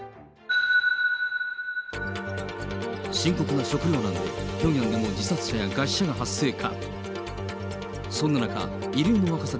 深刻な食料難で、ピョンヤンでも自殺者や餓死者が発生か。